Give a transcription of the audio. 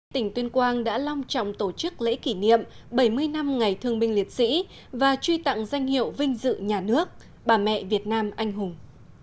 tỉnh tuyên quang đã long trọng tổ chức lễ kỷ niệm bảy mươi năm ngày thương binh liệt sĩ và truy tặng danh hiệu vinh dự nhà nước bà mẹ việt nam anh hùng